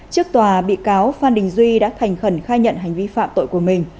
trước tòa bị cáo phan đình duy đã thành khẩn khai nhận hành vi phạm tội của mình